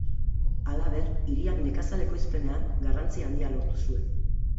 Halaber, hiriak nekazal ekoizpenean garrantzi handia lortu zuen.